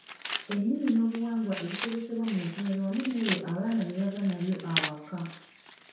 Ennimi n’obuwangwa ebikozesebwa mu masomero wamu n’ebyo abaana bye bava nabyo awaka.